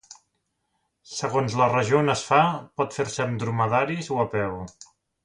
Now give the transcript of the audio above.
Segons la regió on es fa, pot fer-se amb dromedaris o a peu.